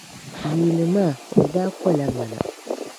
Yuuni maa, o daa kola mana.